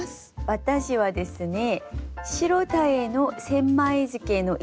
私はですね。